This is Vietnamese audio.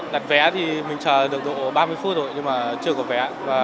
đặt vé thì mình chờ được độ ba mươi phút rồi nhưng mà chưa có vé ạ